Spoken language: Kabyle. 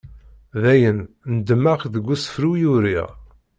Dayen, ndemmeɣ deg usefru i uriɣ.